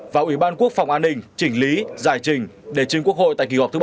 và ủy ban quốc phòng an ninh chỉnh lý giải trình để chính quốc hội tại kỳ họp thứ bảy